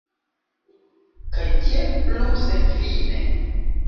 Kaj tiel plu, senfine.